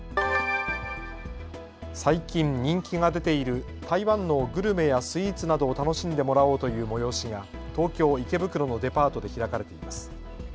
最近、人気が出ている台湾のグルメやスイーツなどを楽しんでもらおうという催しが東京池袋のデパートで開かれています。